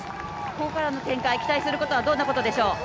ここからの展開、期待することはどんなことでしょう。